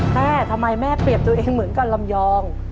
แม่ทำไมแม่เปรียบตัวเองเหมือนกันลำยอง